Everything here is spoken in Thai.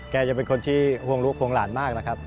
จะเป็นคนที่ห่วงลูกห่วงหลานมากนะครับ